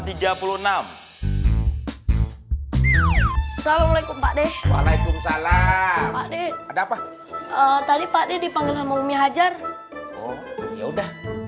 salamualaikum pak deh waalaikumsalam ada apa tadi pak dipanggil hajar ya udah